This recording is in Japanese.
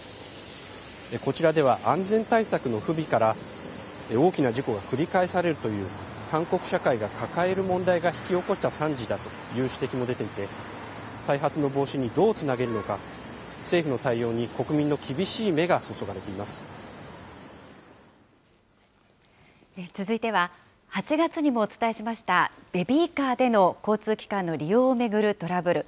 こちらでは安全対策の不備から大きな事故が繰り返されるという、韓国社会が抱える問題が引き起こした惨事だという指摘も出ていて、再発の防止にどうつなげるのか、政府の対応に国民の厳しい目が注続いては、８月にもお伝えしました、ベビーカーでの交通機関の利用を巡るトラブル。